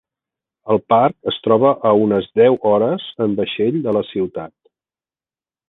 El parc es troba a unes deu hores en vaixell de la ciutat.